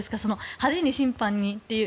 派手に審判にという。